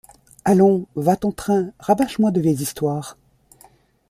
Allons ; va ton train, rabâche-moi de vieilles histoires.